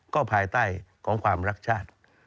ก็ภายใต้ของความรักชาติ